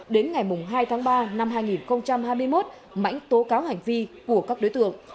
đến ngày hai tháng ba năm hai nghìn hai mươi một mãnh tố cáo hành vi của các đối tượng